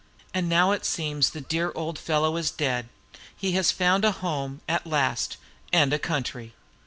And now it seems the dear old fellow is dead. He has found a home at last, and a country.